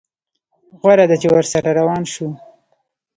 غوره ده چې ورسره روان شو.